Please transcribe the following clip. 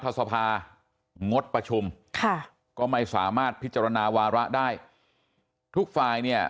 สภางดประชุมค่ะก็ไม่สามารถพิจารณาวาระได้ทุกฝ่ายเนี่ย